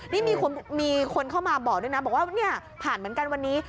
นี่มีคนเข้ามาบอกด้วยนะบอกว่าเนี่ยผ่านเหมือนกันวันนี้